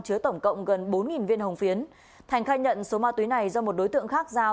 chứa tổng cộng gần bốn viên hồng phiến thành khai nhận số ma túy này do một đối tượng khác giao